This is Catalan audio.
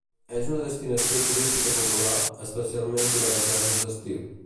És una destinació turística popular, especialment durant els mesos d'estiu.